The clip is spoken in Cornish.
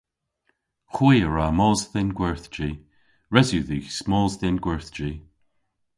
Hwi a wra mos dhe'n gwerthji. Res yw dhywgh mos dhe'n gwerthji.